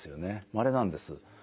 まれなんです。